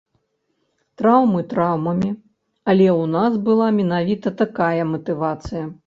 Траўмы траўмамі, але ў нас была менавіта такая матывацыя.